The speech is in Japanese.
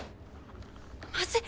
まずい！